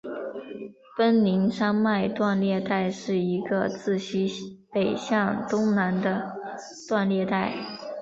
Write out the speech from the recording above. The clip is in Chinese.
奔宁山脉断裂带是一个自西北向东南的断裂带。